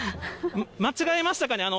間違えましたかね？